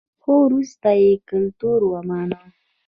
خو وروسته یې کلتور ومانه